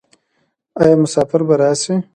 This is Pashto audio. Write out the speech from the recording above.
آیا مسافر به راشي؟